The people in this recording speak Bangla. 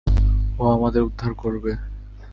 ও আমাদের উদ্ধার করবে।